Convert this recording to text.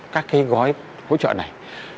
các cái gói hỗ trợ này